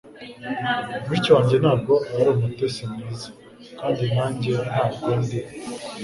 Mushiki wanjye ntabwo ari umutetsi mwiza, kandi nanjye ntabwo ndi